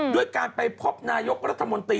ด้วยการไปพบนายกรัฐมนตรี